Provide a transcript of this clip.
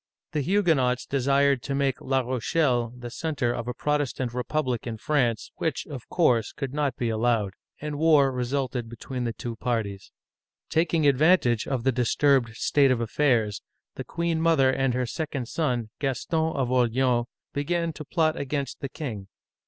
The Huguenots desired to make La Rochelle the center of a Protestant republic in France, which, of course, could not be allowed ; and war resulted between the two parties. Taking advantage of the disturbed state of affairs, the queen mother and her second son, Gaston of Orleans, began to plot against the king.